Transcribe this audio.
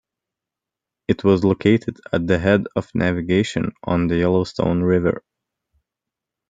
It was located at the head of navigation on the Yellowstone River.